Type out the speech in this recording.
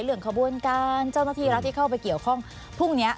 ขบวนการเจ้าหน้าที่รัฐที่เข้าไปเกี่ยวข้องพรุ่งนี้